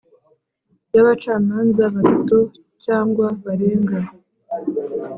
y abacamanza batatu cyangwa barenga